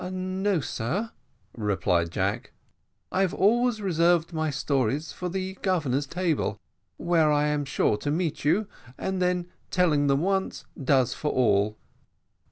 "No, sir," replied Jack, "I have always reserved my stories for the Governor's table, where I am sure to meet you, and then telling once does for all."